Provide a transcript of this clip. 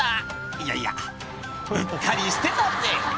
「いやいやうっかりしてたぜ！」